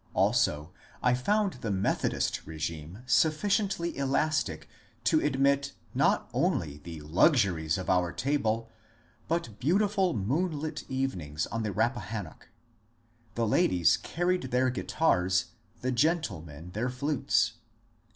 Also I found the Methodist regime sufficiently elastic to admit not only the luxuries of our table, but beautiful moonlit evenings on the Rappahannock. The ladies carried their guitars, the gentle men their flutes.